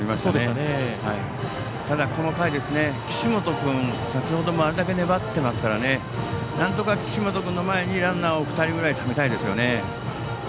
ただ、この回、岸本君先ほどもあれだけ粘ってますからなんとか岸本君の前にランナーを２人ぐらいためたいですよね。